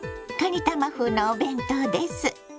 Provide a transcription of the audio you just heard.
かにたま風のお弁当です。